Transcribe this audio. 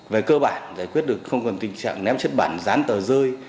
về cơ bản giải quyết được không còn tình trạng ném chất bản dán tờ rơi